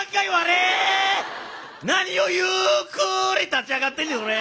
なにをゆっくり立ち上がってんじゃわれ！